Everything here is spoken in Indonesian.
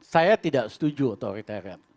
saya tidak setuju authoritarian